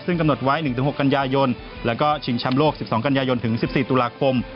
ซึ่งกำหนดไว้๑๖กันยายนแล้วก็ชิงแชมป์โลก๑๒กันยายนถึง๑๔ตุลาคม